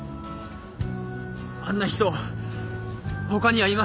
あんな人他にはいません。